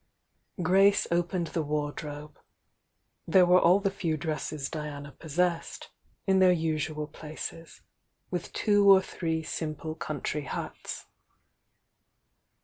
Grace opened the wardrobe,— there were all the few dresses Diana possessed, in their usual places, with two or three simple country hats.